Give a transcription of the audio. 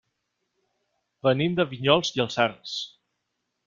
Venim de Vinyols i els Arcs.